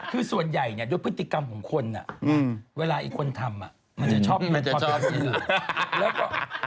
คือส่วนใหญ่ด้วยพฤติกรรมของคนน่ะเวลาอีกคนทำมันจะชอบเป็นพอดีอีก